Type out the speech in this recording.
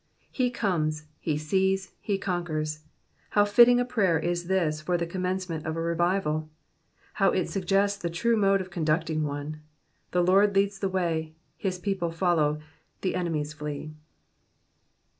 He comes, he sees, he conquers. How fitting a prayer is this for the commencement of a revival I How it suggests the true mode of conducting one :— the Lord leads the way, his people follow, the enemies flee.